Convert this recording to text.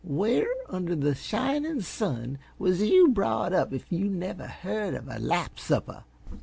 Where under the shinin' sun was you brought up if yuh never heard of a lap supper?